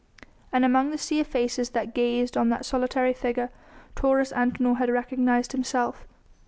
And among the sea of faces that gazed on that solitary figure Taurus Antinor had recognised himself.